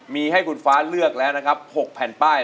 มีให้คุณฟ้าเลือกแล้วนะครับ๖แผ่นป้าย